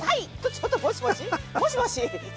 ちょっと！もしもし？もしもし？